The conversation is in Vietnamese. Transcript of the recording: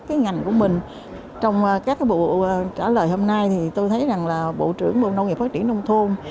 cái ngành của mình trong các bộ trả lời hôm nay thì tôi thấy rằng là bộ trưởng bộ nông nghiệp phát triển nông thôn